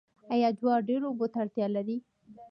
آیا جوار ډیرو اوبو ته اړتیا لري؟